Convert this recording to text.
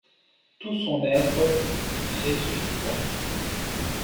Tout son être ressuscita.